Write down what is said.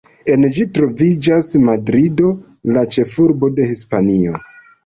En ĝi troviĝas Madrido, la ĉefurbo de Hispanio.